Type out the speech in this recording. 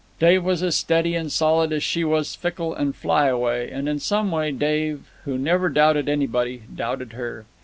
Dave was as steady and solid as she was fickle and fly away, and in some way Dave, who never doubted anybody, doubted her.